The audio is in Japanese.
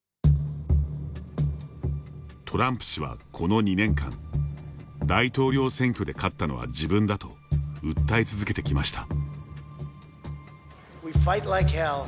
トランプ氏は、この２年間「大統領選挙で勝ったのは自分だ」と訴え続けてきました。